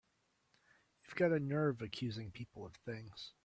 You've got a nerve accusing people of things!